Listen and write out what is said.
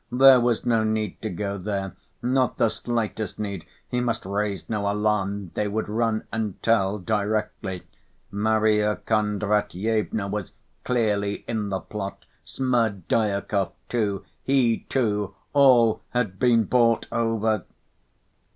"There was no need to go there ... not the slightest need ... he must raise no alarm ... they would run and tell directly.... Marya Kondratyevna was clearly in the plot, Smerdyakov too, he too, all had been bought over!"